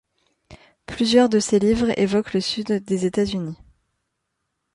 Plusieurs de ses livres évoquent le Sud des États-Unis.